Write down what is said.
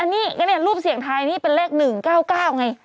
อันนี้ก็ได้ค่ะรูปเสี่ยงไทยนี่เป็นเลข๑๙๙ไง